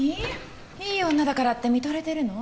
いい女だからって見とれてるの？